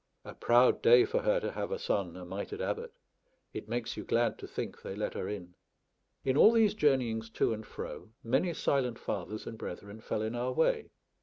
A proud day for her to have a son a mitred abbot; it makes you glad to think they let her in. In all these journeyings to and fro, many silent fathers and brethren fell in our way.